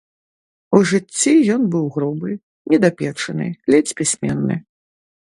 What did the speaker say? У жыцці ён быў грубы, недапечаны, ледзь пісьменны.